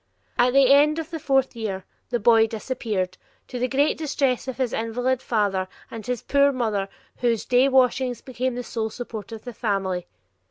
At the end of the fourth year the boy disappeared, to the great distress of his invalid father and his poor mother whose day washings became the sole support of the family.